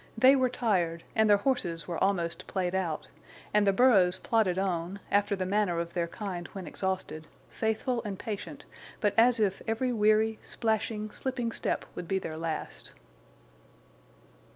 They were tired, and their horses were almost played out, and the burros plodded on, after the manner of their kind when exhausted, faithful and patient, but as if every weary, splashing, slipping step would be their last.